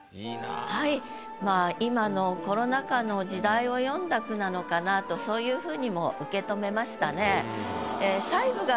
はいまぁ今のコロナ禍の時代を詠んだ句なのかなとそういうふうにも受け止めましたね。